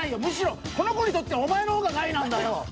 むしろこの子にとってはお前の方が害なんだよ！